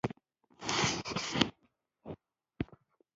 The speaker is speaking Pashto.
چار مغز د افغانستان د کلتوري میراث یوه برخه ده.